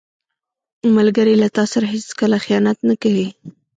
ملګری له تا سره هیڅکله خیانت نه کوي